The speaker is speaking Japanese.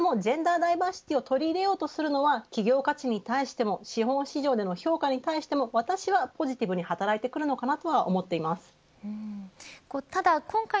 ただゆっくりでもジェンダーダイバーシティを取り入れようとするのは企業価値に対しても資本市場での評価に対しても私はポジティブに働いてくるのかなと思っています。